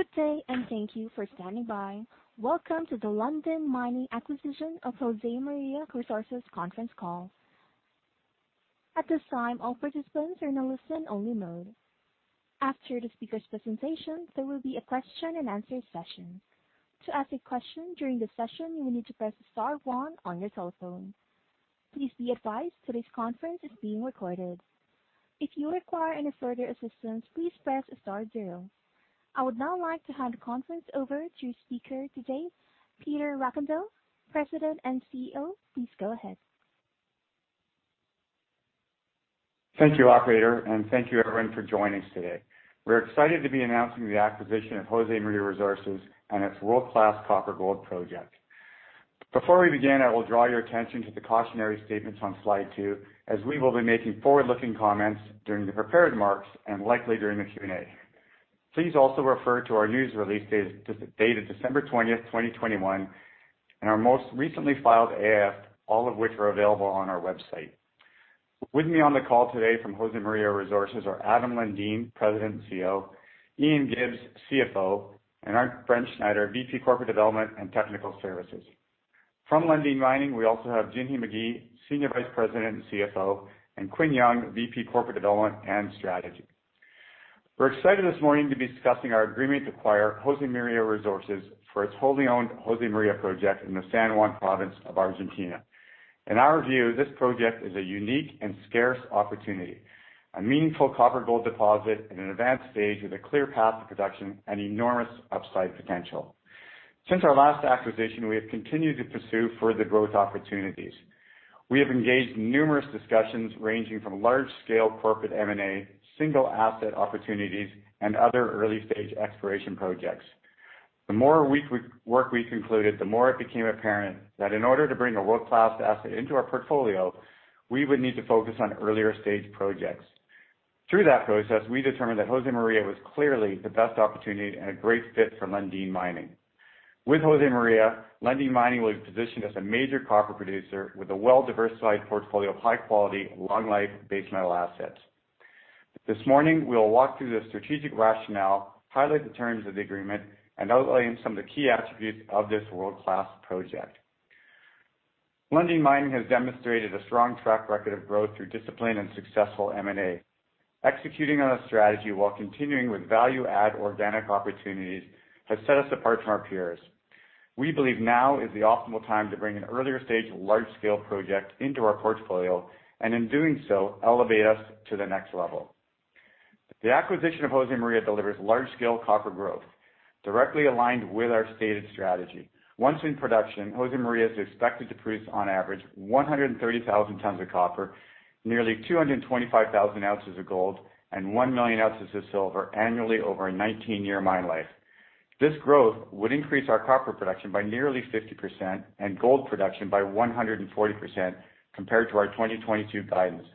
Good day, and thank you for standing by. Welcome to the Lundin Mining acquisition of Josemaria Resources conference call. At this time, all participants are in a listen-only mode. After the speaker's presentation, there will be a question-and-answer session. To ask a question during the session, you will need to press star one on your telephone. Please be advised today's conference is being recorded. If you require any further assistance, please press star zero. I would now like to hand the conference over to speaker today, Peter Rockandel, President and CEO. Please go ahead. Thank you, operator, and thank you everyone for joining us today. We're excited to be announcing the acquisition of Josemaria Resources and its world-class copper-gold project. Before we begin, I will draw your attention to the cautionary statements on slide two, as we will be making forward-looking comments during the prepared remarks and likely during the Q&A. Please also refer to our news release dated December 20, 2021, and our most recently filed AIF, all of which are available on our website. With me on the call today from Josemaria Resources are Adam Lundin, President, CEO, Ian Gibbs, CFO, and our friend Arndt Brettschneider, VP Corporate Development and Technical Services. From Lundin Mining, we also have Jinhee Magie, Senior Vice President and CFO, and Quinn Yong, VP Corporate Development and Strategy. We're excited this morning to be discussing our agreement to acquire Josemaria Resources for its wholly-owned Josemaria project in the San Juan province of Argentina. In our view, this project is a unique and scarce opportunity, a meaningful copper-gold deposit in an advanced stage with a clear path to production and enormous upside potential. Since our last acquisition, we have continued to pursue further growth opportunities. We have engaged in numerous discussions ranging from large-scale corporate M&A, single asset opportunities, and other early-stage exploration projects. The more work we concluded, the more it became apparent that in order to bring a world-class asset into our portfolio, we would need to focus on earlier stage projects. Through that process, we determined that Josemaria was clearly the best opportunity and a great fit for Lundin Mining. With Josemaria, Lundin Mining was positioned as a major copper producer with a well-diversified portfolio of high-quality, long-life base metal assets. This morning, we will walk through the strategic rationale, highlight the terms of the agreement, and outline some of the key attributes of this world-class project. Lundin Mining has demonstrated a strong track record of growth through discipline and successful M&A. Executing on a strategy while continuing with value-add organic opportunities has set us apart from our peers. We believe now is the optimal time to bring an earlier stage large-scale project into our portfolio, and in doing so, elevate us to the next level. The acquisition of Josemaria delivers large-scale copper growth directly aligned with our stated strategy. Once in production, Josemaria is expected to produce on average 130,000 tons of copper, nearly 225,000 ounces of gold, and 1 million ounces of silver annually over a 19-year mine life. This growth would increase our copper production by nearly 50% and gold production by 140% compared to our 2022 guidance.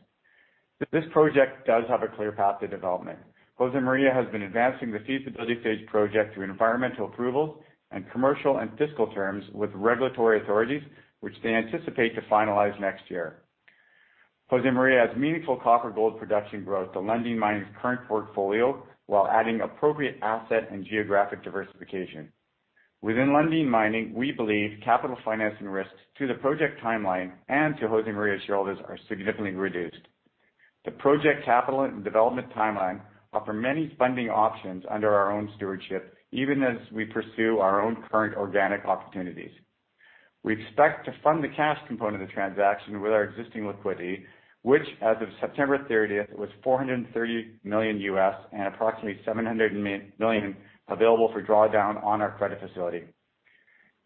This project does have a clear path to development. Josemaria has been advancing the feasibility stage project through environmental approvals and commercial and fiscal terms with regulatory authorities, which they anticipate to finalize next year. Josemaria adds meaningful copper-gold production growth to Lundin Mining's current portfolio while adding appropriate asset and geographic diversification. Within Lundin Mining, we believe capital financing risks to the project timeline and to Josemaria shareholders are significantly reduced. The project capital and development timeline offer many funding options under our own stewardship, even as we pursue our own current organic opportunities. We expect to fund the cash component of the transaction with our existing liquidity, which as of September 30 was $430 million and approximately $700 million available for drawdown on our credit facility.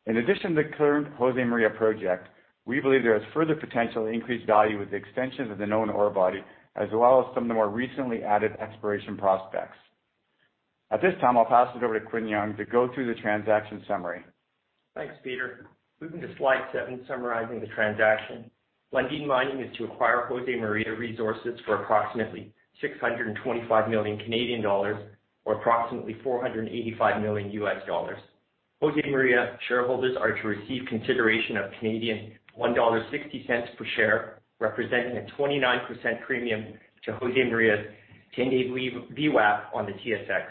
In addition to the current Josemaria project, we believe there is further potential increased value with the extensions of the known ore body, as well as some of the more recently added exploration prospects. At this time, I'll pass it over to Quinn Yong to go through the transaction summary. Thanks, Peter. Moving to slide seven, summarizing the transaction. Lundin Mining is to acquire Josemaria Resources for approximately 625 million Canadian dollars or approximately $485 million. Josemaria shareholders are to receive consideration of 1.60 Canadian dollars per share, representing a 29% premium to Josemaria's ten-day VWAP on the TSX.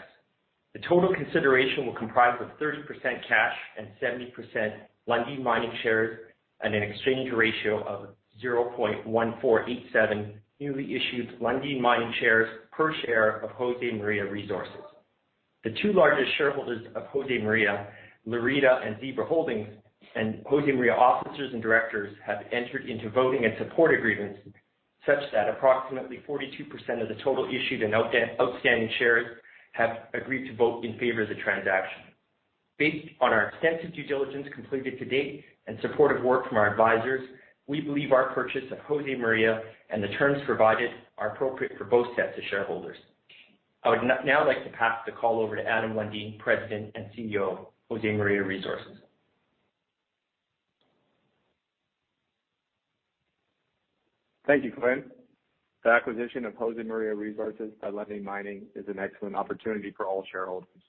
The total consideration will comprise of 30% cash and 70% Lundin Mining shares at an exchange ratio of 0.1487 newly issued Lundin Mining shares per share of Josemaria Resources. The two largest shareholders of Josemaria, Lorito and Zebra Holdings, and Josemaria officers and directors have entered into voting and support agreements such that approximately 42% of the total issued and outstanding shares have agreed to vote in favor of the transaction. Based on our extensive due diligence completed to date and supportive work from our advisors, we believe our purchase of Josemaria and the terms provided are appropriate for both sets of shareholders. I would now like to pass the call over to Adam Lundin, President and CEO, Josemaria Resources. Thank you, Quinn. The acquisition of Josemaria Resources by Lundin Mining is an excellent opportunity for all shareholders.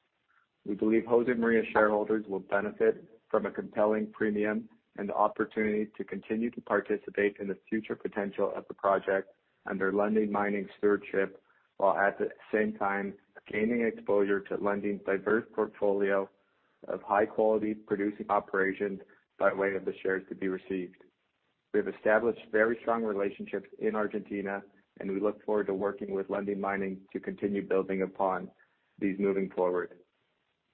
We believe Josemaria shareholders will benefit from a compelling premium and the opportunity to continue to participate in the future potential of the project under Lundin Mining stewardship, while at the same time gaining exposure to Lundin's diverse portfolio. A high quality producing operation by way of the shares to be received. We have established very strong relationships in Argentina, and we look forward to working with Lundin Mining to continue building upon these moving forward.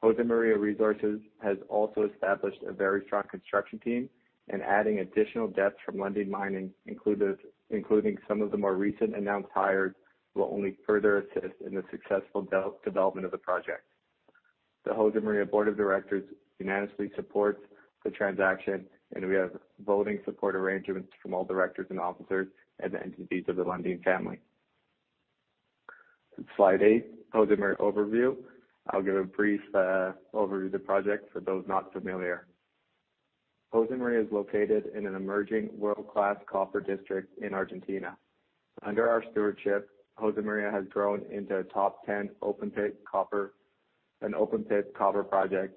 Josemaria Resources has also established a very strong construction team, and adding additional depth from Lundin Mining, including some of the more recent announced hires, will only further assist in the successful development of the project. The Josemaria board of directors unanimously supports the transaction, and we have voting support arrangements from all directors and officers at the entities of the Lundin family. Slide eight, Josemaria overview. I'll give a brief overview of the project for those not familiar. Josemaria is located in an emerging world-class copper district in Argentina. Under our stewardship, Josemaria has grown into a top ten open pit copper project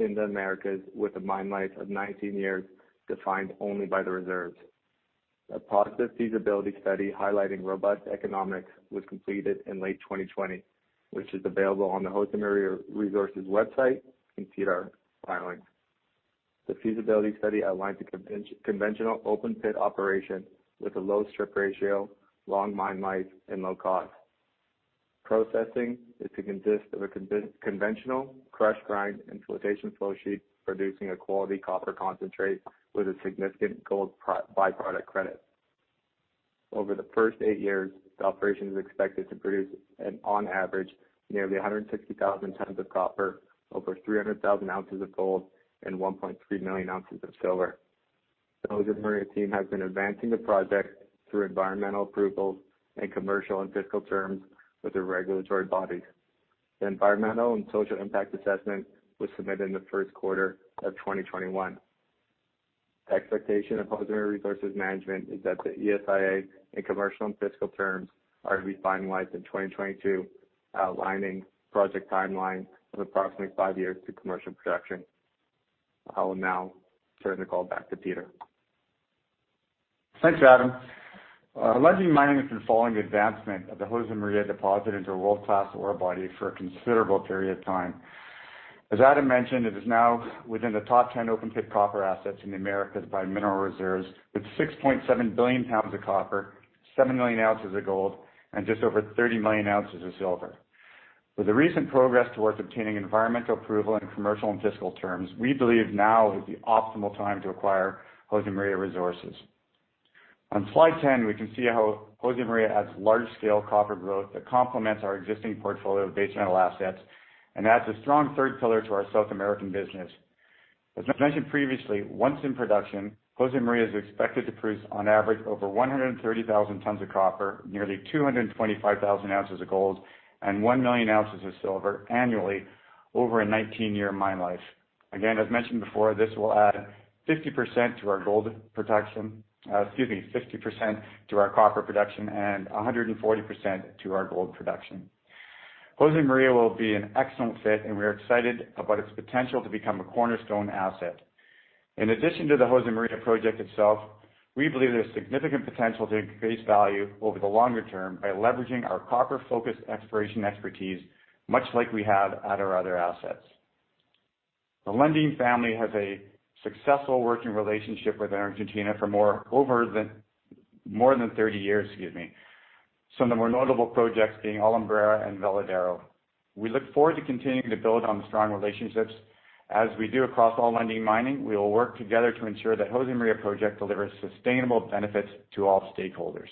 in the Americas with a mine life of 19 years, defined only by the reserves. A process feasibility study highlighting robust economics was completed in late 2020, which is available on the josemariaresources.com website and SEDAR filings. The feasibility study outlined the conventional open pit operation with a low strip ratio, long mine life, and low cost. Processing is to consist of a conventional crush, grind, and flotation flow sheet, producing a quality copper concentrate with a significant gold by-product credit. Over the first eight years, the operation is expected to produce on average nearly 160,000 tons of copper, over 300,000 ounces of gold, and 1.3 million ounces of silver. The Josemaria Resources team has been advancing the project through environmental approvals and commercial and fiscal terms with the regulatory bodies. The environmental and social impact assessment was submitted in the first quarter of 2021. The expectation of Josemaria Resources management is that the ESIA and commercial and fiscal terms are to be finalized in 2022, outlining project timeline of approximately five years to commercial production. I will now turn the call back to Peter. Thanks, Adam. Lundin Mining has been following the advancement of the Josemaria deposit into a world-class ore body for a considerable period of time. As Adam mentioned, it is now within the top 10 open pit copper assets in the Americas by mineral reserves, with 6.7 billion pounds of copper, 7 million ounces of gold, and just over 30 million ounces of silver. With the recent progress towards obtaining environmental approval in commercial and fiscal terms, we believe now is the optimal time to acquire Josemaria Resources. On slide 10, we can see how Josemaria adds large scale copper growth that complements our existing portfolio of base metal assets and adds a strong third pillar to our South American business. As mentioned previously, once in production, Josemaria is expected to produce on average over 130,000 tons of copper, nearly 225,000 ounces of gold, and one million ounces of silver annually over a 19-year mine life. Again, as mentioned before, this will add 50% to our copper production and 140% to our gold production. Josemaria will be an excellent fit, and we are excited about its potential to become a cornerstone asset. In addition to the Josemaria project itself, we believe there's significant potential to increase value over the longer term by leveraging our copper-focused exploration expertise, much like we have at our other assets. The Lundin family has a successful working relationship with Argentina for more than 30 years. Some of the more notable projects being Alumbrera and Veladero. We look forward to continuing to build on the strong relationships. As we do across all Lundin Mining, we will work together to ensure the Josemaria project delivers sustainable benefits to all stakeholders.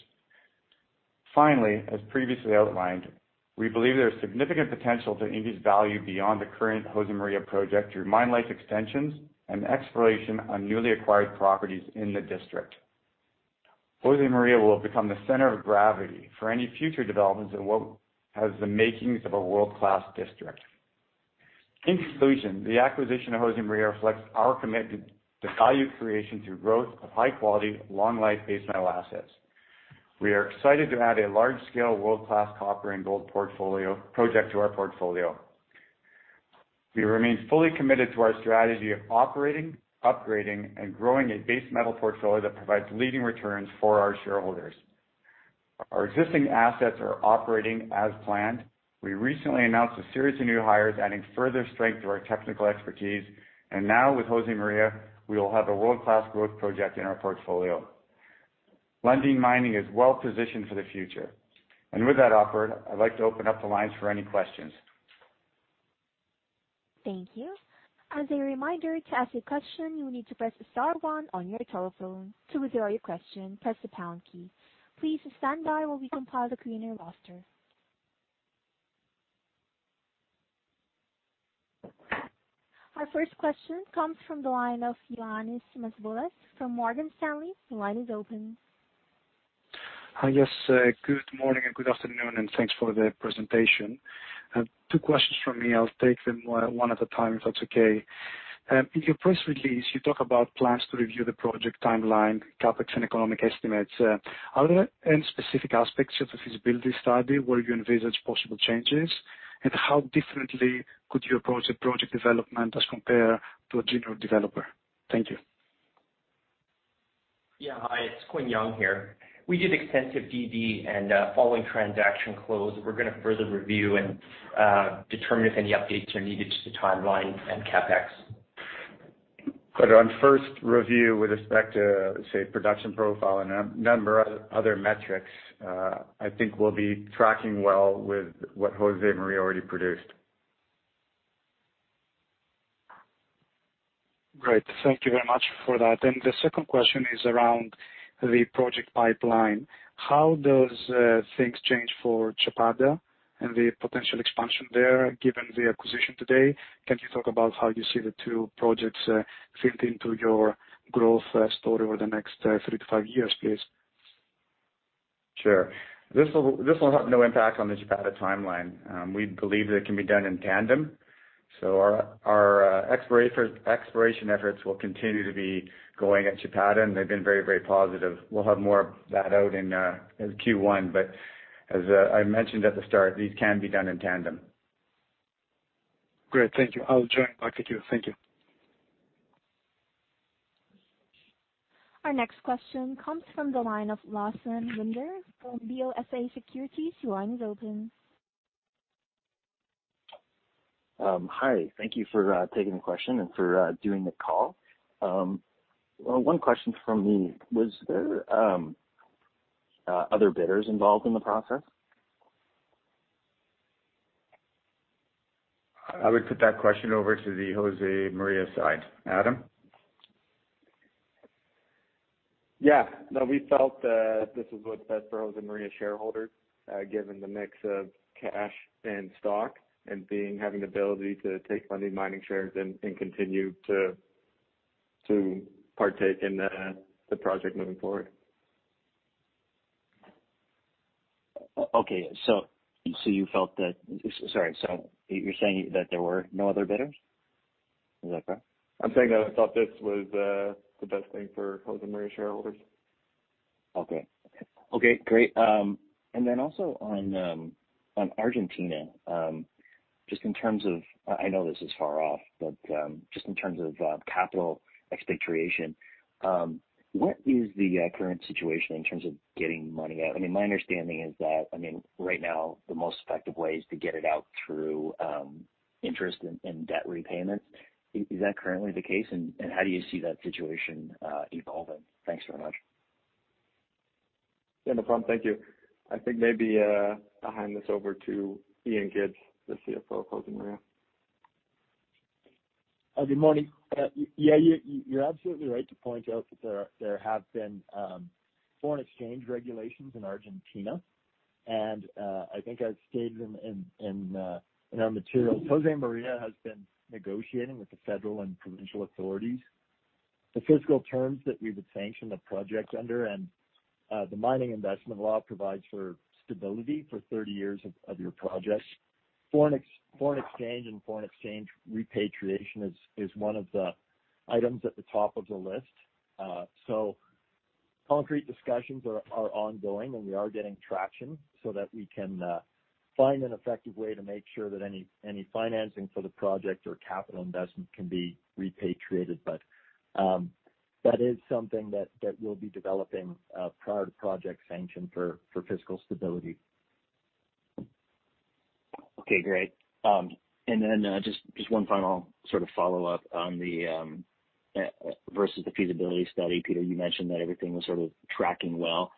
Finally, as previously outlined, we believe there's significant potential to increase value beyond the current Josemaria project through mine life extensions and exploration on newly acquired properties in the district. Josemaria will become the center of gravity for any future developments in what has the makings of a world-class district. In conclusion, the acquisition of Josemaria reflects our commitment to value creation through growth of high-quality, long-life base metal assets. We are excited to add a large-scale, world-class copper-gold project to our portfolio. We remain fully committed to our strategy of operating, upgrading, and growing a base metal portfolio that provides leading returns for our shareholders. Our existing assets are operating as planned. We recently announced a series of new hires, adding further strength to our technical expertise. Now with Josemaria, we will have a world-class growth project in our portfolio. Lundin Mining is well-positioned for the future. With that offered, I'd like to open up the lines for any questions. Thank you. As a reminder, to ask a question, you need to press star one on your telephone. To withdraw your question, press the pound key. Please stand by while we compile the queuing roster. Our first question comes from the line of Ioannis Masvoulas from Morgan Stanley. The line is open. Hi. Yes. Good morning and good afternoon, and thanks for the presentation. Two questions from me. I'll take them one at a time, if that's okay. In your press release, you talk about plans to review the project timeline, CapEx, and economic estimates. Are there any specific aspects of the feasibility study where you envisage possible changes? How differently could you approach a project development as compared to a general developer? Thank you. Yeah. Hi, it's Quinn Yong here. We did extensive DD and, following transaction close, we're gonna further review and, determine if any updates are needed to the timeline and CapEx. On first review with respect to, say, production profile and number of other metrics, I think we'll be tracking well with what Josemaria already produced. Great. Thank you very much for that. The second question is around the project pipeline. How does things change for Chapada and the potential expansion there, given the acquisition today? Can you talk about how you see the two projects fit into your growth story over the next three to five years, please? Sure. This will have no impact on the Chapada timeline. We believe that it can be done in tandem, so our exploration efforts will continue to be going at Chapada, and they've been very, very positive. We'll have more of that out in Q1. As I mentioned at the start, these can be done in tandem. Great. Thank you. I'll join back to queue. Thank you. Our next question comes from the line of Lawson Winder from BofA Securities. Your line is open. Hi. Thank you for taking the question and for doing the call. One question from me. Was there other bidders involved in the process? I would put that question over to the Josemaria side. Adam? Yeah. No, we felt that this was what's best for Josemaria shareholders, given the mix of cash and stock and having the ability to take Lundin Mining shares and continue to partake in the project moving forward. Okay. Sorry, you're saying that there were no other bidders? Is that correct? I'm saying that I thought this was the best thing for Josemaria shareholders. Okay. Okay, great. Also on Argentina, I know this is far off, but just in terms of capital expatriation, what is the current situation in terms of getting money out? I mean, my understanding is that, I mean, right now, the most effective way is to get it out through interest and debt repayments. Is that currently the case? How do you see that situation evolving? Thanks very much. Yeah, no problem. Thank you. I think maybe, I'll hand this over to Ian Gibbs, the CFO of Josemaria. Good morning. Yeah, you're absolutely right to point out that there have been foreign exchange regulations in Argentina. I think I've stated in our materials, Josemaria has been negotiating with the federal and provincial authorities the fiscal terms that we would sanction the project under. The Mining Investment Law provides for stability for 30 years of your projects. Foreign exchange and foreign exchange repatriation is one of the items at the top of the list. Concrete discussions are ongoing, and we are getting traction so that we can find an effective way to make sure that any financing for the project or capital investment can be repatriated. That is something that we'll be developing prior to project sanction for fiscal stability. Okay, great. Just one final sort of follow-up on the versus the feasibility study. Peter, you mentioned that everything was sort of tracking well.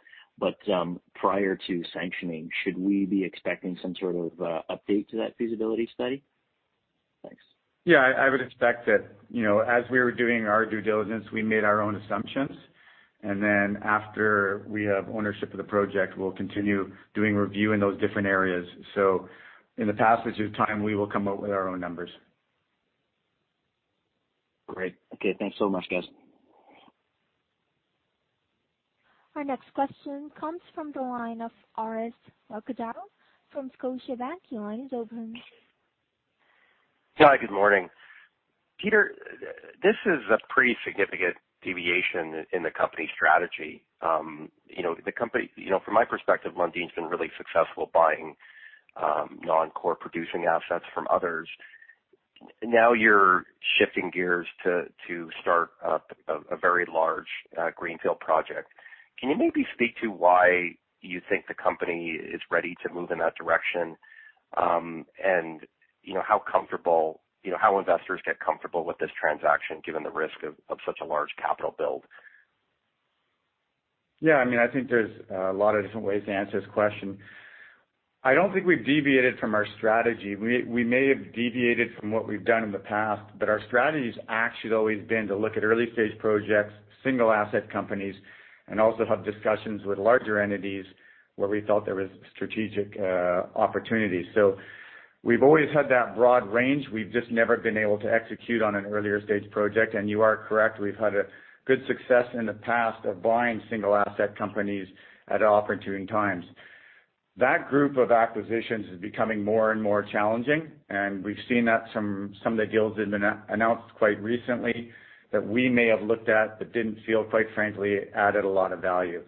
Prior to sanctioning, should we be expecting some sort of update to that feasibility study? Thanks. Yeah, I would expect that, you know, as we were doing our due diligence, we made our own assumptions. After we have ownership of the project, we'll continue doing review in those different areas. In the passage of time, we will come up with our own numbers. Great. Okay, thanks so much, guys. Our next question comes from the line of Orest Wowkodaw from Scotiabank. Your line is open. Hi, good morning. Peter, this is a pretty significant deviation in the company's strategy. You know, the company from my perspective, Lundin's been really successful buying non-core producing assets from others. Now you're shifting gears to start up a very large greenfield project. Can you maybe speak to why you think the company is ready to move in that direction? You know, how investors get comfortable with this transaction given the risk of such a large capital build? Yeah, I mean, I think there's a lot of different ways to answer this question. I don't think we've deviated from our strategy. We may have deviated from what we've done in the past, but our strategy's actually always been to look at early-stage projects, single asset companies, and also have discussions with larger entities where we felt there was strategic opportunities. We've always had that broad range. We've just never been able to execute on an earlier stage project. You are correct, we've had a good success in the past of buying single asset companies at opportune times. That group of acquisitions is becoming more and more challenging, and we've seen that some of the deals that have been announced quite recently that we may have looked at but didn't feel, quite frankly, added a lot of value.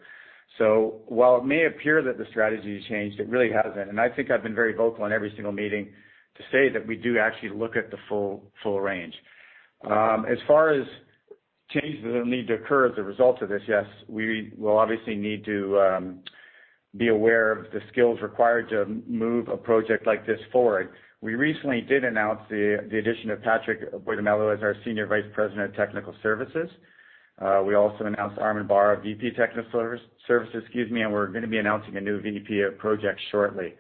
While it may appear that the strategy has changed, it really hasn't. I think I've been very vocal in every single meeting to say that we do actually look at the full range. As far as changes that need to occur as a result of this, yes, we will obviously need to be aware of the skills required to move a project like this forward. We recently did announce the addition of Patrick Boitumelo as our Senior Vice President of Technical Services. We also announced Arman Baha, VP, Technical Services, and we're gonna be announcing a new VP of Project shortly.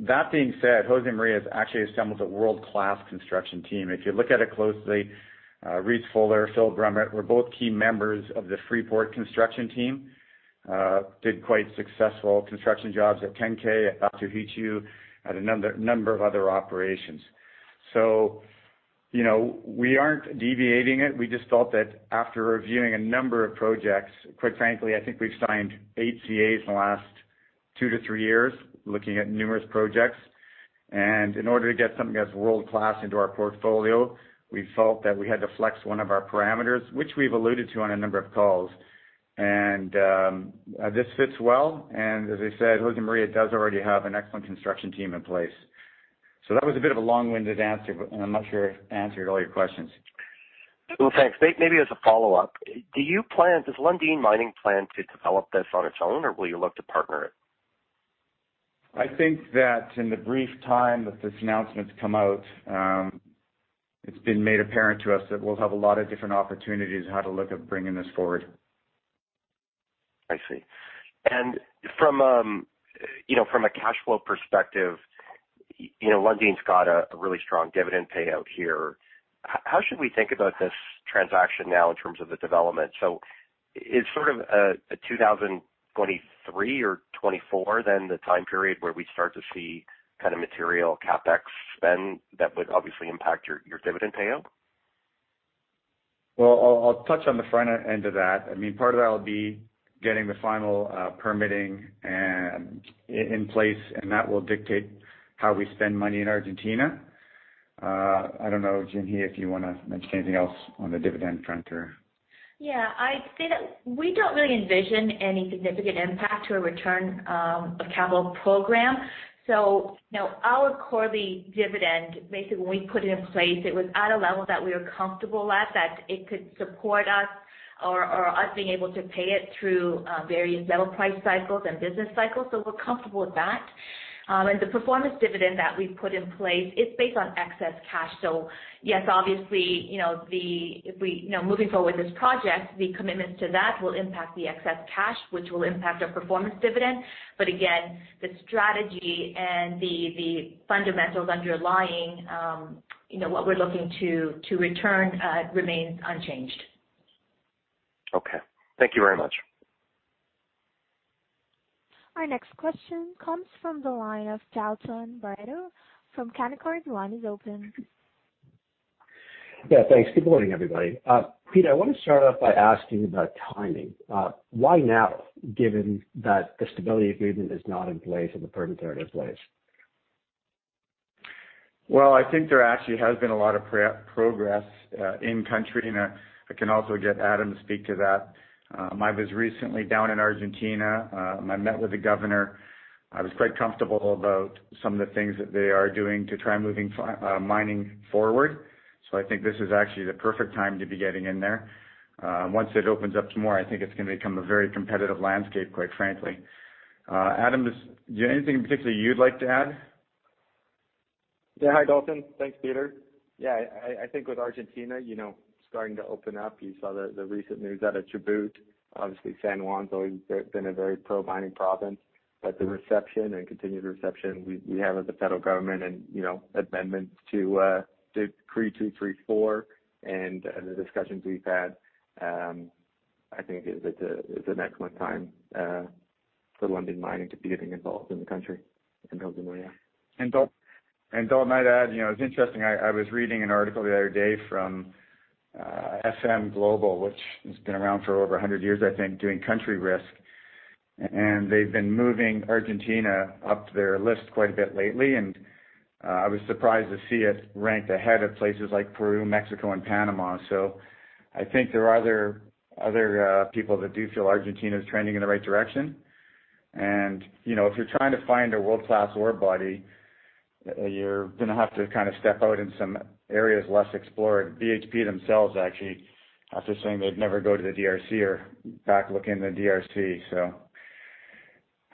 That being said, Josemaria has actually assembled a world-class construction team. If you look at it closely, Read Futral, Phil Bremmer were both key members of the Freeport construction team, did quite successful construction jobs at Tenke, at Tasiast, at a number of other operations, so, you know, we aren’t deviating. We just thought that after reviewing a number of projects, quite frankly, I think we’ve signed eight CAs in the last two to three years, looking at numerous projects, and in order to get something that’s world-class into our portfolio, we felt that we had to flex one of our parameters, which we’ve alluded to on a number of calls. And this fits well, and as I said, Josemaria does already have an excellent construction team in place. So that was a bit of a long-winded answer, but I’m not sure I answered all your questions. Well, thanks. Maybe as a follow-up, does Lundin Mining plan to develop this on its own, or will you look to partner it? I think that in the brief time that this announcement's come out, it's been made apparent to us that we'll have a lot of different opportunities how to look at bringing this forward. I see. From a cash flow perspective, you know, Lundin's got a really strong dividend payout here. How should we think about this transaction now in terms of the development? Is sort of a 2023 or 2024 the time period where we start to see kind of material CapEx spend that would obviously impact your dividend payout? Well, I'll touch on the front end of that. I mean, part of that will be getting the final permitting and in place, and that will dictate how we spend money in Argentina. I don't know, Jinhee, if you wanna mention anything else on the dividend front or. Yeah, I'd say that we don't really envision any significant impact to a return of capital program. You know, our quarterly dividend, basically, when we put it in place, it was at a level that we were comfortable at, that it could support us or us being able to pay it through varying metal price cycles and business cycles, so we're comfortable with that. The performance dividend that we've put in place is based on excess cash. So yes, obviously, you know, if we you know, moving forward with this project, the commitments to that will impact the excess cash, which will impact our performance dividend. But again, the strategy and the fundamentals underlying you know, what we're looking to return remains unchanged. Okay. Thank you very much. Our next question comes from the line of Dalton Baretto from Canaccord. Your line is open. Yeah, thanks. Good morning, everybody. Pete, I wanna start off by asking about timing. Why now, given that the stability agreement is not in place and the permit isn't in place? Well, I think there actually has been a lot of progress in country, and I can also get Adam to speak to that. I was recently down in Argentina, and I met with the governor. I was quite comfortable about some of the things that they are doing to try moving mining forward. I think this is actually the perfect time to be getting in there. Once it opens up some more, I think it's gonna become a very competitive landscape, quite frankly. Adam, is there anything in particular you'd like to add? Yeah. Hi, Dalton. Thanks, Peter. Yeah, I think with Argentina, you know, starting to open up, you saw the recent news out of Chubut. Obviously, San Juan's always been a very pro-mining province, but the reception and continued reception we have at the federal government and, you know, amendments to Decree 234 and the discussions we've had, I think it's an excellent time for Lundin Mining to be getting involved in the country, in Josemaria. Dalton, I'd add, you know, it's interesting, I was reading an article the other day from FM Global, which has been around for over a hundred years, I think, doing country risk, and they've been moving Argentina up their list quite a bit lately, and I was surprised to see it ranked ahead of places like Peru, Mexico and Panama. I think there are other people that do feel Argentina is trending in the right direction. You know, if you're trying to find a world-class ore body, you're gonna have to kind of step out in some areas less explored. BHP themselves actually after saying they'd never go to the DRC are back looking in the DRC.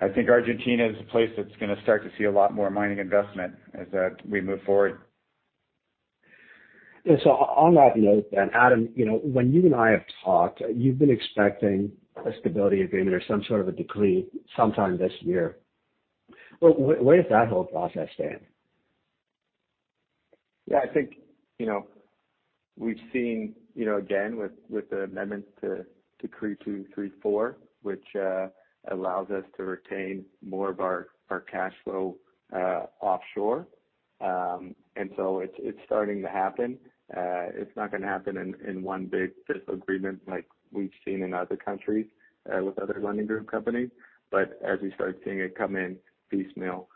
I think Argentina is a place that's gonna start to see a lot more mining investment as we move forward. On that note then, Adam, you know, when you and I have talked, you've been expecting a stability agreement or some sort of a decree sometime this year. But where does that whole process stand? Yeah, I think, you know, we've seen, you know, again, with the amendments to Decree 234, which allows us to retain more of our cash flow offshore. And so it's starting to happen. It's not gonna happen in one big fiscal agreement like we've seen in other countries with other Lundin Group companies. As we start seeing it come in piecemeal,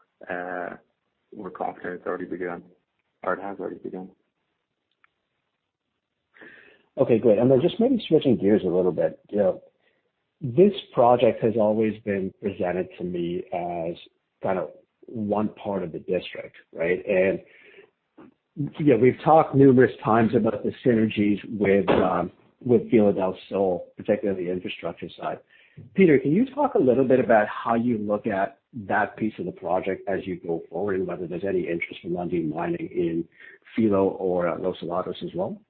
we're confident it's already begun, or it has already begun. Okay, great. Just maybe switching gears a little bit. You know, this project has always been presented to me as kind of one part of the district, right? You know, we've talked numerous times about the synergies with Filo del Sol, particularly the infrastructure side. Peter, can you talk a little bit about how you look at that piece of the project as you go forward and whether there's any interest from Lundin Mining in Filo or Los Helados as well?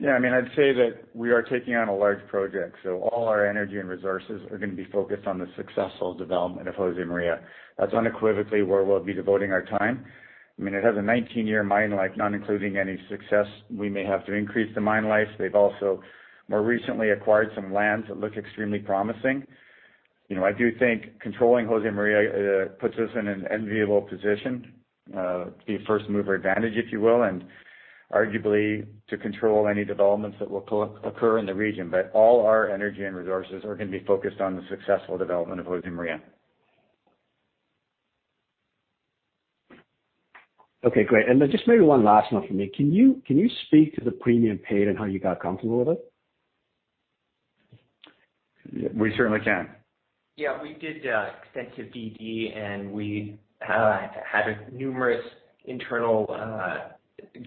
Yeah. I mean, I'd say that we are taking on a large project, so all our energy and resources are gonna be focused on the successful development of Josemaria. That's unequivocally where we'll be devoting our time. I mean, it has a 19-year mine life, not including any success we may have to increase the mine life. They've also more recently acquired some lands that look extremely promising. You know, I do think controlling Josemaria puts us in an enviable position, the first mover advantage, if you will, and arguably to control any developments that will occur in the region. All our energy and resources are gonna be focused on the successful development of Josemaria. Okay, great. Just maybe one last note from me. Can you speak to the premium paid and how you got comfortable with it? We certainly can. Yeah, we did extensive DD, and we had numerous internal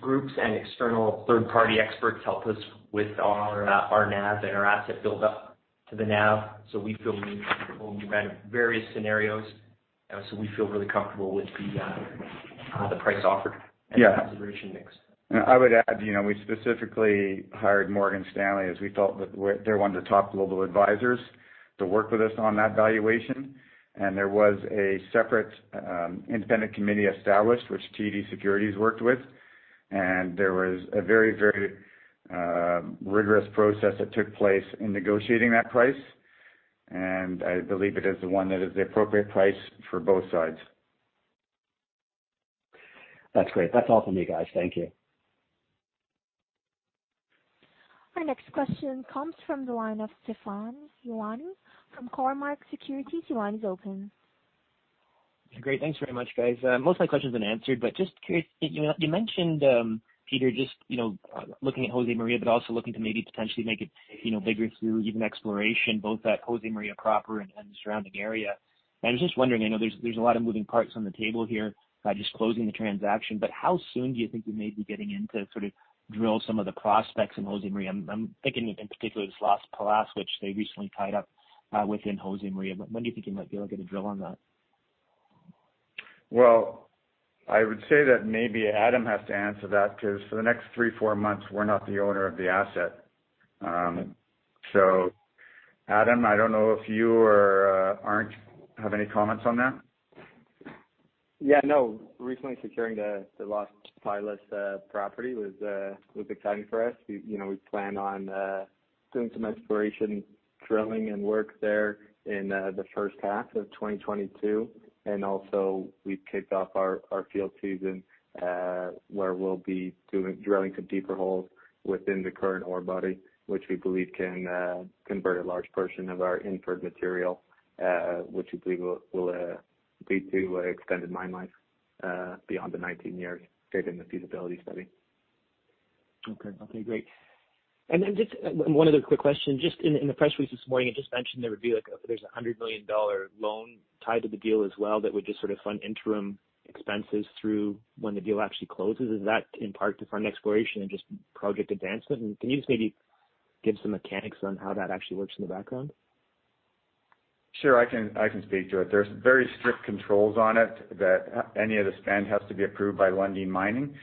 groups and external third-party experts help us with our NAV and our asset build up to the NAV. We feel we've run various scenarios. We feel really comfortable with the price offered- Yeah. The consideration mix. I would add, you know, we specifically hired Morgan Stanley as we thought that They're one of the top global advisors to work with us on that valuation. There was a separate, independent committee established which TD Securities worked with. There was a very rigorous process that took place in negotiating that price, and I believe it is the one that is the appropriate price for both sides. That's great. That's all for me, guys. Thank you. Our next question comes from the line of Stefan Ioannou from Cormark Securities. Your line is open. Great. Thanks very much, guys. Most of my question's been answered, but just curious, you know, you mentioned, Peter, just, you know, looking at Josemaria, but also looking to maybe potentially make it, you know, bigger through even exploration both at Josemaria proper and the surrounding area. I was just wondering, I know there's a lot of moving parts on the table here by just closing the transaction, but how soon do you think you may be getting in to sort of drill some of the prospects in Josemaria? I'm thinking in particular the LasPilas which they recently tied up within Josemaria. When do you think you might be able to get a drill on that? Well, I would say that maybe Adam has to answer that, 'cause for the next three-four months, we're not the owner of the asset. Adam, I don't know if you or Arndt have any comments on that. Yeah, no. Recently securing the Las Pilas property was exciting for us. We, you know, plan on doing some exploration drilling and work there in the first half of 2022. Also we've kicked off our field season where we'll be drilling some deeper holes within the current ore body which we believe can convert a large portion of our inferred material which we believe will lead to extended mine life beyond the 19 years stated in the feasibility study. Okay. Okay, great. Then just one other quick question. Just in the press release this morning, it just mentioned there would be like a, there's a $100 million loan tied to the deal as well that would just sort of fund interim expenses through when the deal actually closes. Is that in part to fund exploration and just project advancement? And can you just maybe give some mechanics on how that actually works in the background? Sure. I can speak to it. There's very strict controls on it that any of the spend has to be approved by Lundin Mining.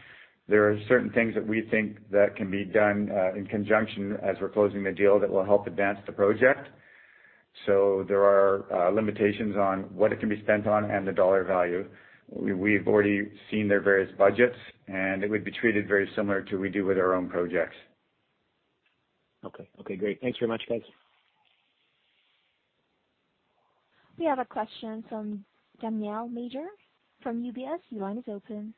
There are certain things that we think that can be done in conjunction as we're closing the deal that will help advance the project. There are limitations on what it can be spent on and the dollar value. We've already seen their various budgets, and it would be treated very similar to we do with our own projects. Okay. Okay, great. Thanks very much, guys. We have a question from Daniel Major from UBS. Your line is open.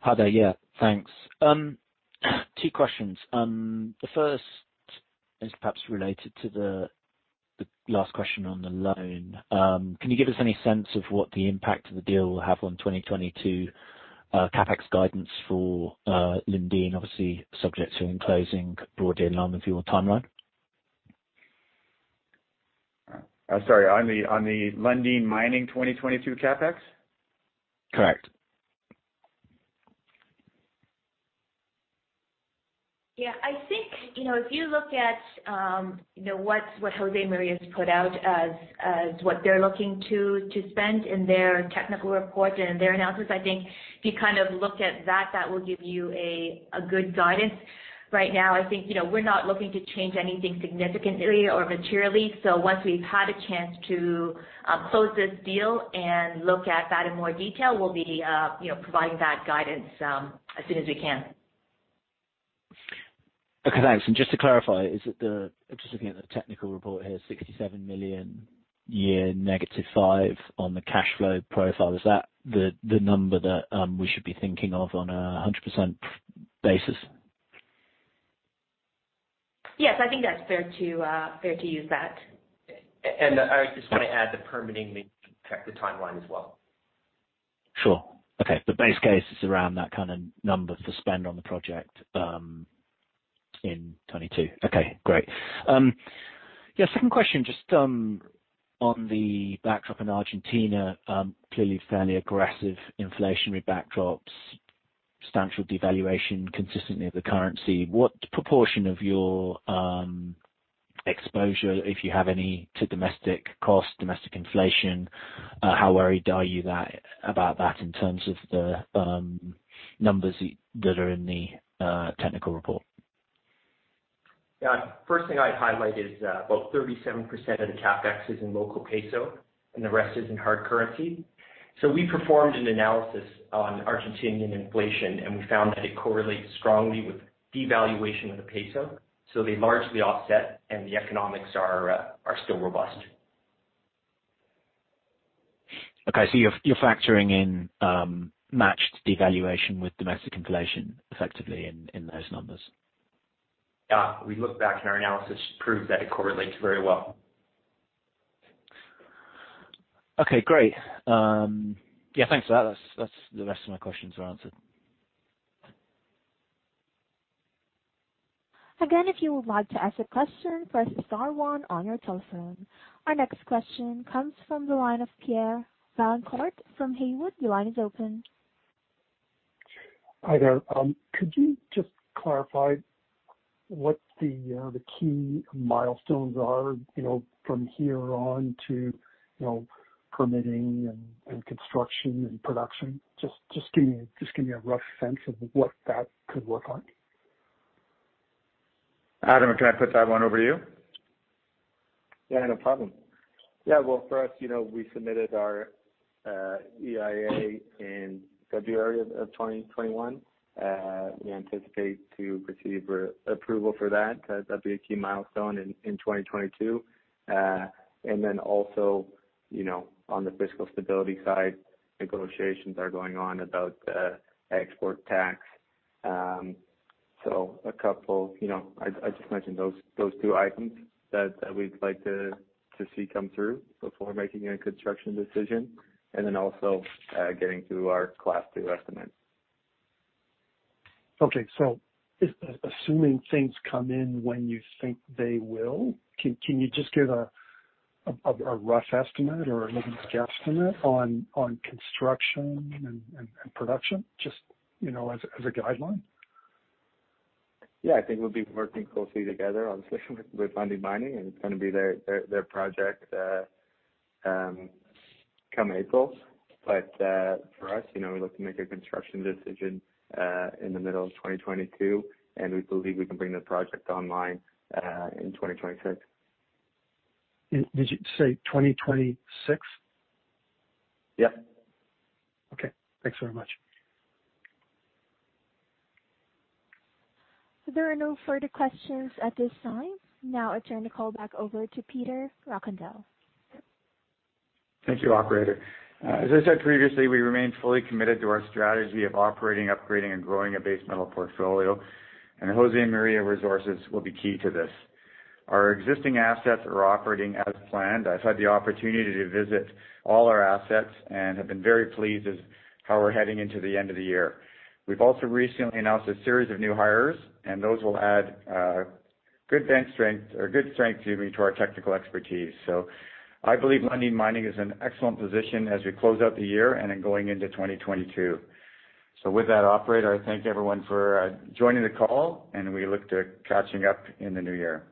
Hi there. Yeah, thanks. Two questions. The first is perhaps related to the last question on the loan. Can you give us any sense of what the impact of the deal will have on 2022 CapEx guidance for Lundin, obviously subject to closing broadly in line with your timeline? Sorry, on the Lundin Mining 2022 CapEx? Correct. Yeah. I think, you know, if you look at what Josemaria has put out as what they're looking to spend in their technical report and their analysis, I think if you kind of look at that will give you a good guidance. Right now, I think, you know, we're not looking to change anything significantly or materially. Once we've had a chance to close this deal and look at that in more detail, we'll be, you know, providing that guidance as soon as we can. Okay, thanks. Just to clarify, is it? I'm just looking at the technical report here, $67 million year -5 on the cash flow profile. Is that the number that we should be thinking of on a 100% basis? Yes, I think that's fair to use that. I just wanna add the permitting may affect the timeline as well. Sure. Okay. The base case is around that kind of number to spend on the project in 2022. Okay, great. Yeah, second question, just on the backdrop in Argentina, clearly fairly aggressive inflationary backdrops, substantial devaluation consistently of the currency. What proportion of your exposure, if you have any, to domestic cost, domestic inflation, how worried are you about that in terms of the numbers that are in the technical report? Yeah. First thing I'd highlight is, about 37% of the CapEx is in local peso, and the rest is in hard currency. We performed an analysis on Argentinian inflation, and we found that it correlates strongly with devaluation of the peso, so they largely offset and the economics are still robust. Okay, you're factoring in matched devaluation with domestic inflation effectively in those numbers. Yeah. We look back, and our analysis proves that it correlates very well. Okay, great. Yeah, thanks for that. That's the rest of my questions are answered. Again, if you would like to ask a question, press star one on your telephone. Our next question comes from the line of Pierre Vaillancourt from Haywood. Your line is open. Hi there. Could you just clarify what the key milestones are, you know, from here on to, you know, permitting and construction and production? Just give me a rough sense of what that could look like. Adam, can I put that one over to you? Yeah, no problem. Yeah, well, for us, you know, we submitted our EIA in February 2021. We anticipate to receive approval for that. That'd be a key milestone in 2022. And then also, you know, on the fiscal stability side, negotiations are going on about export tax. So a couple. You know, I just mentioned those two items that we'd like to see come through before making a construction decision and then also getting through our Class 2 estimate. Okay, assuming things come in when you think they will, can you just give a rough estimate or maybe guesstimate on construction and production, just you know, as a guideline? Yeah. I think we'll be working closely together, obviously, with Lundin Mining, and it's gonna be their project come April. For us, you know, we look to make a construction decision in the middle of 2022, and we believe we can bring the project online in 2026. Did you say 2026? Yep. Okay. Thanks very much. There are no further questions at this time. Now I turn the call back over to Peter Rockandel. Thank you, operator. As I said previously, we remain fully committed to our strategy of operating, upgrading, and growing a base metal portfolio, and Josemaria Resources will be key to this. Our existing assets are operating as planned. I've had the opportunity to visit all our assets and have been very pleased with how we're heading into the end of the year. We've also recently announced a series of new hires, and those will add good bench strength or good strength, excuse me, to our technical expertise. I believe Lundin Mining is in excellent position as we close out the year and then going into 2022. With that, operator, I thank everyone for joining the call, and we look forward to catching up in the new year.